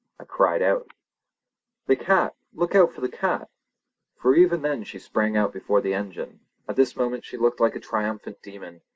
I cried out: "The cat! look out for the cat!" for even then she sprang out before the engine. At this moment she looked like a triumphant demon.